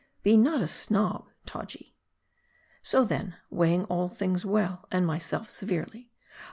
Be not a " snob," Taji. So then, weighing all things well, and myself severely, I M A R D I.